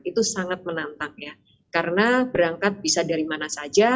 itu sangat menantang ya karena berangkat bisa dari mana saja